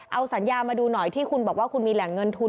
เอาสัญญามาดูหน่อยที่คุณบอกว่าคุณมีแหล่งเงินทุน